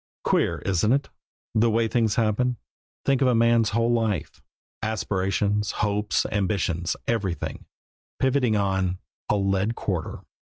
Queer, isn't it the way things happen? Think of a man's whole life, aspirations, hopes, ambitions, everything, pivoting on a lead quarter!